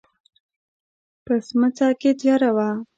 په سمڅه کې تياره وه.